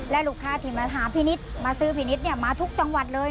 และลูกค้าที่มาหาพี่นิดมาซื้อพี่นิดเนี่ยมาทุกจังหวัดเลย